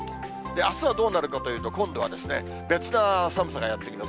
あすはどうなることかというと、今度は別な寒さがやって来ます。